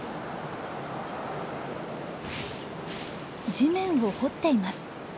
地面を掘っています。